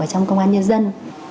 trong công an nhân dân